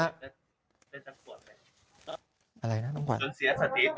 อะไรนะน้องขวัญ